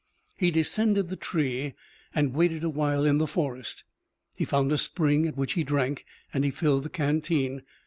He descended the tree and waited a while in the forest. He found a spring at which he drank, and he filled the canteen.